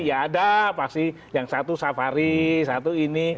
ya ada pasti yang satu safari satu ini